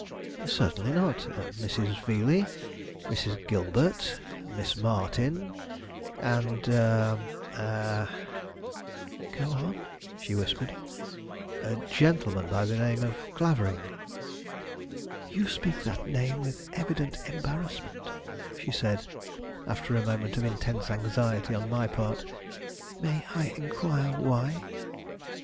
"Certainly not. Mrs. Veeley, Mrs. Gilbert, Miss Martin, and a a " "Go on," she whispered. "A gentleman by the name of Clavering." "You speak that name with evident embarrassment," she said, after a moment of intense anxiety on my part. "May I inquire why?"